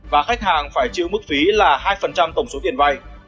và khách hàng phải chịu mức phí là hai tổng số tiền vay